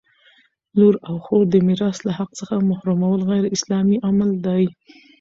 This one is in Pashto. لور او خور د میراث له حق څخه محرومول غیراسلامي عمل دی!